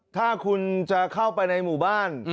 ถ้าคุณจะเข้าไปในหมู่บ้าน